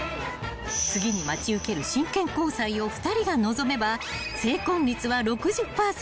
［次に待ち受ける真剣交際を２人が望めば成婚率は６０％］